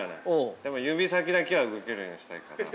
でも、指先だけは動けるようにしたいから。